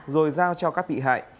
rồi giao cho các bị hại